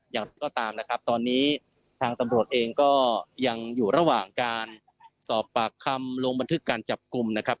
อย่างที่ก็ตามนะครับตอนนี้ทางตำรวจเองก็ยังอยู่ระหว่างการสอบปากคำลงบันทึกการจับกลุ่มนะครับ